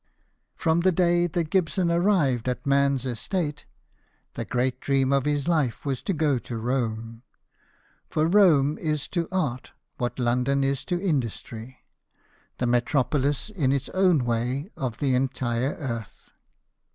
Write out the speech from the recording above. From the day that Gibson arrived at man's estate, the great dream of his life was to go to Rome. For Rome is to art what London is to industry the metropolis in its own way of the 70 BIOGRAPHIES OF WORKING MEN. entire earth.